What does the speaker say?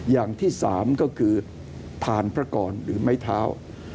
อย่างที่สามก็คือผ่านพระกรหรือไม้เท้า